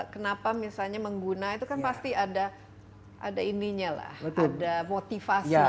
kenapa misalnya mengguna itu kan pasti ada motivasinya